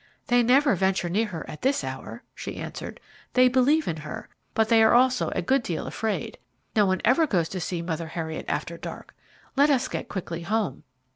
"They never venture near her at this hour," she answered. "They believe in her, but they are also a good deal afraid. No one ever goes to see Mother Heriot after dark. Let us get quickly home."